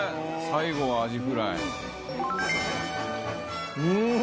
最後はアジフライうん